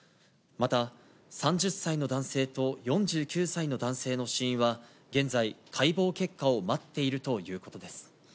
また３０歳の男性と４９歳の男性の死因は、現在、解剖結果を待っているということです。